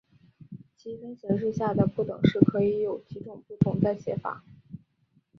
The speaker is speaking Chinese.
积分形式下的不等式可以有几种不同的写法。